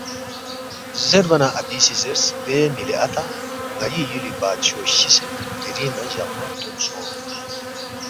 زیربا نہ اپی سی زیرس، ”لے مِلی اتا ن٘ئی یُولی بادشو شِسے دِرِنگ نہ جقما بدُون سونگس